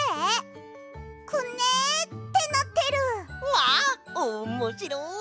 わっおもしろい！